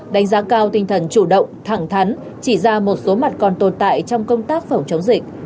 đánh giá cao tinh thần chủ động thẳng thắn chỉ ra một số mặt còn tồn tại trong công tác phòng chống dịch